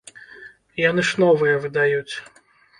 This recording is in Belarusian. Яны ж новыя выдаюць.